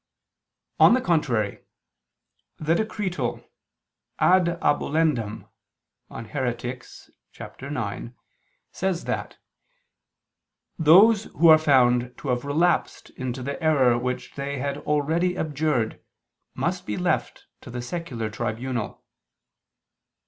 On the contrary, The Decretal Ad abolendam (De Haereticis, cap. ix) says that "those who are found to have relapsed into the error which they had already abjured, must be left to the secular tribunal."